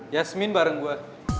yasmin bareng gue